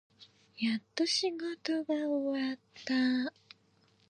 やっと仕事が終わった。